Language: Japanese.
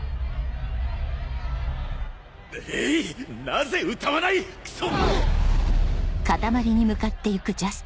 なぜ歌わない⁉クソ！